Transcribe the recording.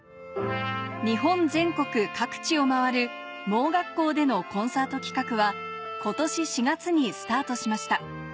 日本全国各地を回る盲学校でのコンサート企画は今年４月にスタートしました